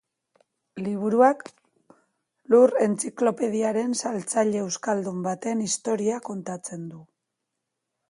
Liburuak Lur entziklopediaren saltzaile euskaldun baten historia kontatzen du.